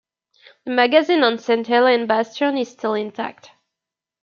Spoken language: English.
The magazine on Saint Helen Bastion is still intact.